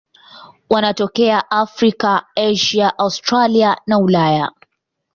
Wanatokea Afrika, Asia, Australia na Ulaya.